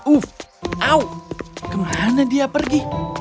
uf au kemana dia pergi